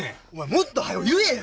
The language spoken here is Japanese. もっと早言えや！